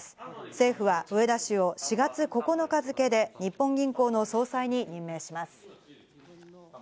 政府は植田氏を４月９日付けで日本銀行の総裁に任命します。